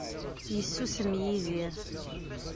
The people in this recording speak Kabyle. Yessusem Yidir.